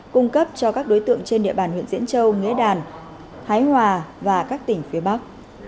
cung cấp cho các đối tượng trên địa bàn huyện diễn châu nghĩa đàn hái hòa và các tỉnh phía bắc